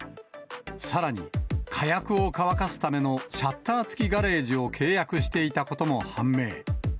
さらに火薬を乾かすためのシャッター付きガレージを契約していたことも判明。